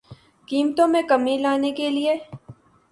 قیمتوں میں کمی لانے کیلئے